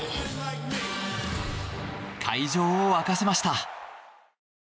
会場を沸かせました。